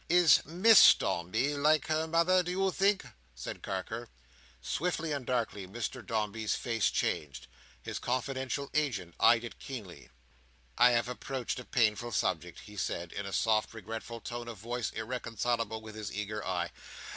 "Is Miss Dombey like her mother, do you think?" said Carker. Swiftly and darkly, Mr Dombey's face changed. His confidential agent eyed it keenly. "I have approached a painful subject," he said, in a soft regretful tone of voice, irreconcilable with his eager eye.